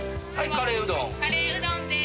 ・カレーうどんです。